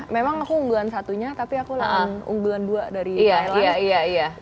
memang aku unggulan satunya tapi aku lawan unggulan dua dari thailand